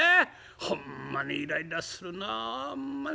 ほんまにイライラするなあほんまに。